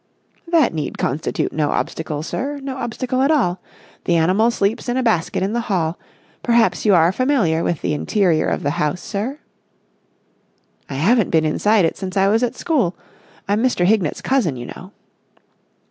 "That need constitute no obstacle, sir, no obstacle at all. The animal sleeps in a basket in the hall.... Perhaps you are familiar with the interior of the house, sir?" "I haven't been inside it since I was at school. I'm Mr. Hignett's cousin, you know."